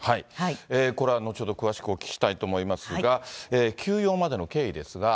これは後ほど詳しくお聞きしたいと思いますが、休養までの経緯ですが。